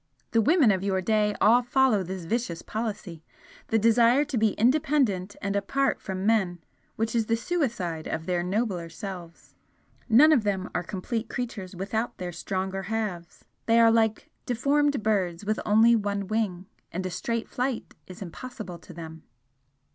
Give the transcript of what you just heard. The women of your day all follow this vicious policy the desire to be independent and apart from men which is the suicide of their nobler selves. None of them are complete creatures without their stronger halves they are like deformed birds with only one wing, and a straight flight is impossible to them."